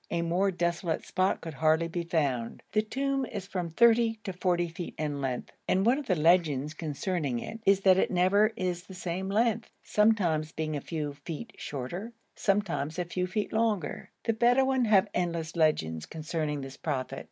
A more desolate spot could hardly be found. The tomb is from 30 to 40 feet in length, and one of the legends concerning it is that it never is the same length, sometimes being a few feet shorter, sometimes a few feet longer. The Bedouin have endless legends concerning this prophet.